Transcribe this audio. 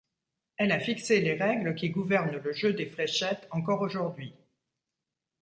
Elle a fixé les règles qui gouvernent le jeu des fléchettes encore aujourd'hui.